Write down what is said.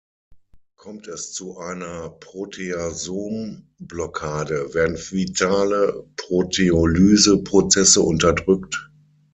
Kommt es zu einer Proteasom-Blockade, werden vitale Proteolyse-Prozesse unterdrückt.